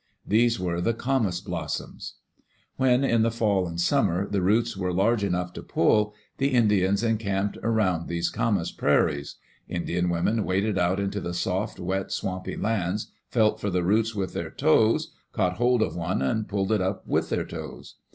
These were the camas blossoms. When, in the fall and summer, the roots were large enough to pull, the Indians encamped around these camas prairies. Indian women waded out into the soft, wet, swampy lands, felt for the roots with their toes, caught hold of one, and pulled it up with their toes.